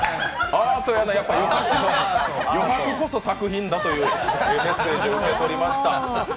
アート、余白こそ作品だというメッセージ受け取りました。